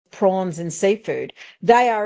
prawns dan makanan air